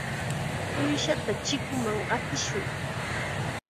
Uushata chikunman qatishun.